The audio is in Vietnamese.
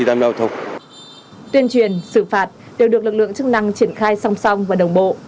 tuyên truyền xử phạt đều được lực lượng chức năng triển khai song song và đồng bộ